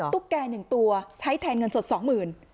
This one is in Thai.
ตุ๊กแก๑ตัวใช้แทนเงินสดสองหมื่น